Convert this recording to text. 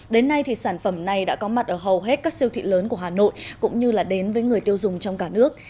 đến nay thì sản phẩm này đã có mặt ở hầu hết các siêu thị lớn của hà nội cũng như là đến với người tiêu dùng trong cả nước